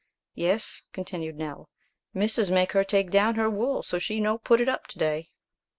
"Yes," continued Nell; "missus make her take down her wool so she no put it up to day."